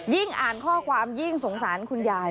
อ่านข้อความยิ่งสงสารคุณยาย